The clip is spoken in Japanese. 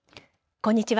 こんにちは。